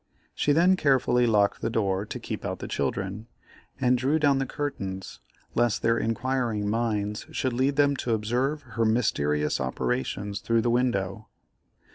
She then carefully locked the door to keep out the children, and drew down the curtains lest their inquiring minds should lead them to observe her mysterious operations through the window.